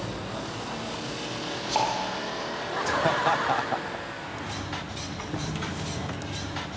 ハハハ